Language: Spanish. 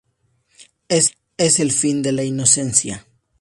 Es el fin de la inocencia.